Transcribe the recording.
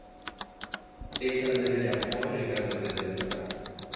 Péicha nderejapóirõ ikatuete ndejuka